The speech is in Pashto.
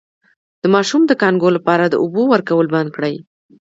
د ماشوم د کانګو لپاره د اوبو ورکول بند کړئ